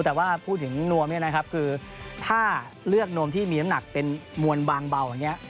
แต่ว่าพูดถึงนวมเนี่ยนะครับคือถ้าเลือกนวมที่มีน้ำหนักเป็นมวลบางเบาอย่างนี้